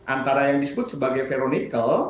antara yang disebut sebagai ferro nikel